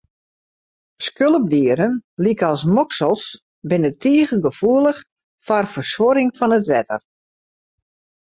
Skulpdieren lykas moksels, binne tige gefoelich foar fersuorring fan it wetter.